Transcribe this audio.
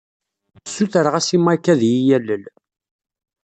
Ssutreɣ-as i Mike ad iyi-yalel.